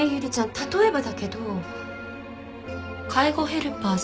例えばだけど介護ヘルパーさん